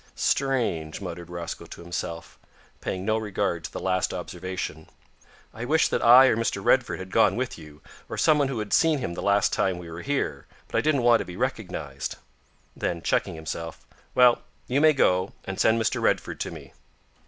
"Strange," muttered Rosco to himself, paying no regard to the last observation; "I wish that I or Mr Redford had gone with you, or some one who had seen him the last time we were here; but I didn't want to be recognised;" then checking himself "Well, you may go, and send Mr Redford to me."